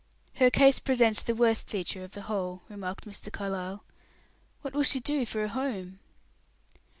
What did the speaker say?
"Her case presents the worst feature of the whole," remarked Mr. Carlyle. "What will she do for a home?"